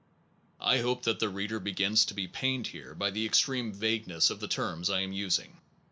I hope that the reader begins to be pained here by the extreme vagueness of the terms I am using.